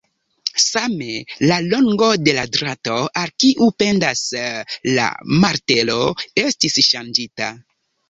Same, la longo de la drato, al kiu pendas la martelo, estis ŝanĝita.